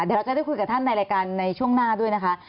เดี๋ยวเราจะได้คุยกับท่านในรายการในช่วงหน้าด้วยนะคะ